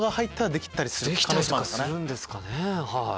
できたりするんですかね。